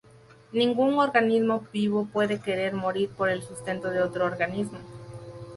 Ningún organismo vivo puede "querer" morir por el sustento de otro organismo.